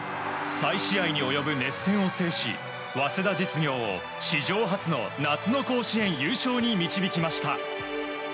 再試合に及ぶ熱戦を制し早稲田実業を史上初の夏の甲子園優勝に導きました。